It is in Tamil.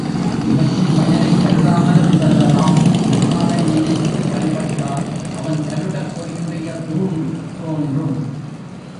இவற்றின் பயனைக் கருதாமலும் செல்லலாம் திருமாலை நினைத்து வழிபட்டால் அவன் கருடக் கொடியுடைய தூண் தோன்றும்.